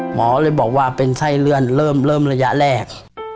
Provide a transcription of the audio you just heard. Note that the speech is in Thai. หมอเลยบอกว่าเป็นไส้เลื่อนเริ่มระยะแรก